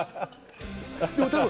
でも多分。